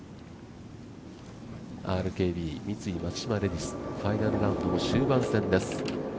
ＲＫＢ×三井松島レディスファイナルラウンドも終盤戦です。